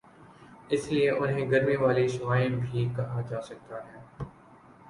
اسی لئے انہیں گرمی والی شعاعیں بھی کہا جاسکتا ہے